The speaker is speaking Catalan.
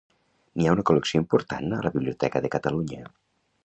N'hi ha una col·lecció important a la Biblioteca de Catalunya.